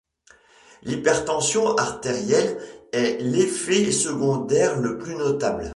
L'hypertension artérielle est l'effet secondaire le plus notable.